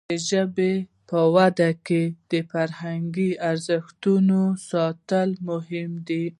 د ژبې په وده کې د فرهنګي ارزښتونو ساتل مهم دي.